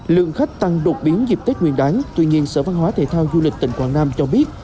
lượng khách tăng đột biến dịp tết nguyên đáng tuy nhiên sở văn hóa thể thao du lịch tỉnh quảng nam cho biết